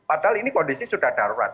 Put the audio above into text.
padahal ini kondisi sudah darurat